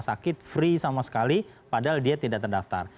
sakit free sama sekali padahal dia tidak terdaftar